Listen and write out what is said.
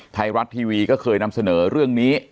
ไทยรัฐทีวีก็เคยนำเสนอเรื่องนี้